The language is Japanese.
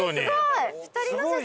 すごい！